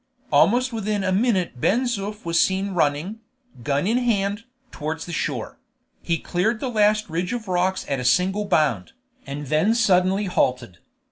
Almost within a minute Ben Zoof was seen running, gun in hand, towards the shore; he cleared the last ridge of rocks at a single bound, and then suddenly halted.